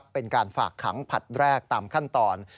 เป็นการฝากขังผลัดแรกตามขั้นตอน